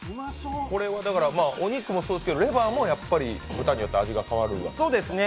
お肉もそうですけど、レバーも豚によって味が変わるんですか？